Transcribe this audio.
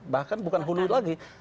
bahkan bukan hulu lagi